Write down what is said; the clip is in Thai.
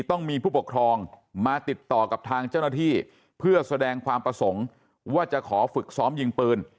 ต้องมีผู้ปกครองมาติดต่อกับทางเจ้าหน้าที่เพื่อแสดงความประสงค์ว่าจะขอฝึกซ้อมยิงปืน